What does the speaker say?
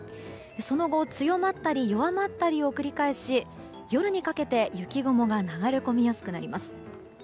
その後、強まったり弱まったりを繰り返し夜にかけて雪雲が流れ込みやすくなります。